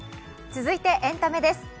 続いてエンタメです。